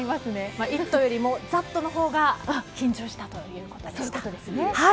「イット！」よりも「ザット！」のほうが緊張したということでした。